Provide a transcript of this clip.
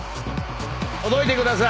届いてください。